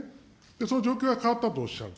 その状況が変わったとおっしゃる。